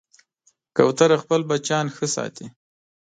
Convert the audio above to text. کوتره خپل بچیان ښه ساتي.